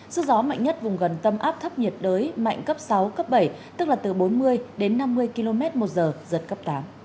sức gió mạnh nhất vùng gần tâm áp thấp nhiệt đới mạnh cấp sáu cấp bảy tức là từ bốn mươi đến năm mươi km một giờ giật cấp tám